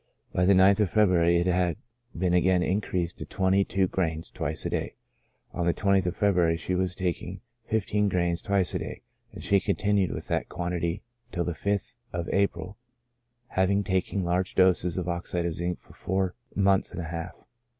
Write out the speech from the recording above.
By the 9th of February it had been again increased to twenty two grains twice a day. On the 20th of February she was tak ing fifteen grains twice a day, and she continued with that quantity till the 5th of April, having taken large doses of oxide of zinc for four months and a half.